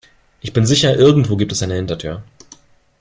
Ich bin sicher, irgendwo gibt es eine Hintertür.